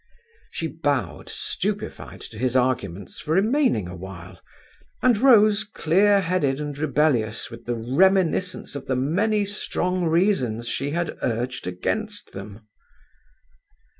She bowed, stupefied, to his arguments for remaining awhile, and rose clear headed and rebellious with the reminiscence of the many strong reasons she had urged against them.